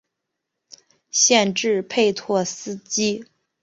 县治佩托斯基。